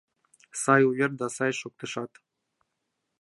Сай увер да сай шоктышат